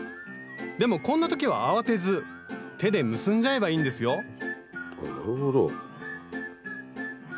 でもこんな時は慌てず手で結んじゃえばいいんですよあっなるほど。